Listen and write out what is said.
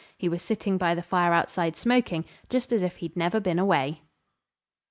He was sitting by the fire outside smoking, just as if he'd never been away.